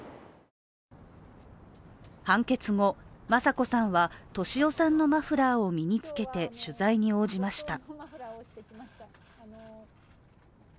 判決後、雅子さんは俊夫さんのマフラーを身につけて取材に応じました。